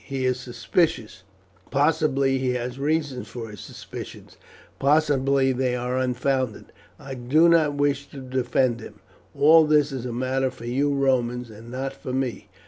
He is suspicious. Possibly he has reason for his suspicions; possibly they are unfounded. I do not wish to defend him. All this is a matter for you Romans, and not for me.